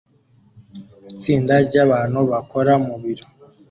Itsinda ryabantu bakora mu biro